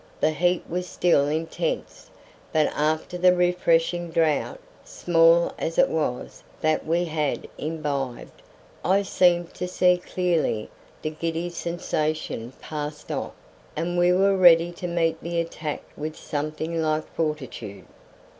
The heat was still intense; but after the refreshing draught, small as it was, that we had imbibed, I seemed to see clearly, the giddy sensation passed off, and we were ready to meet the attack with something like fortitude.